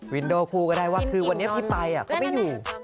โดคู่ก็ได้ว่าคือวันนี้พี่ไปเขาไม่อยู่